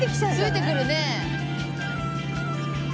ついてくるね。